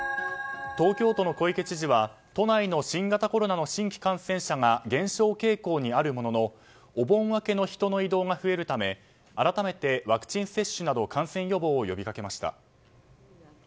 東京都の小池知事は都内の新型コロナの新規感染者が減少傾向にあるもののお盆明けの人の移動が増えるため改めてワクチン接種など感染予防を呼びかけました。